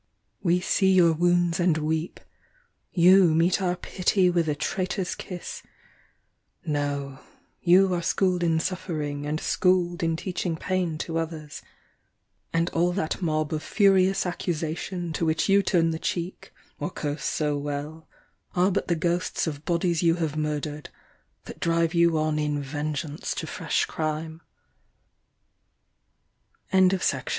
We see your wounds and weep, You meet our pity with a traitor's kiss — No, You are schooled in suffering and schooled In teaching pain to others — And all that mob of furious accusation To which you turn the cheek, or curse so well, Are but the ghosts of bodies you have murdered, That drive you on in vengeance to